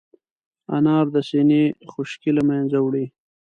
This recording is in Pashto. انار د سينې خشکي له منځه وړي.